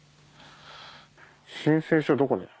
申請書どこだよ？